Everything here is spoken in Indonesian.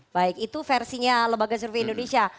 baik itu versinya lembaga survei indonesia